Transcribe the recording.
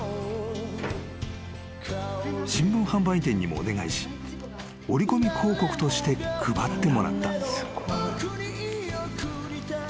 ［新聞販売店にもお願いし折り込み広告として配ってもらった］